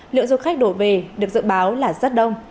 lượng du khách đổ về được dự báo là rất đông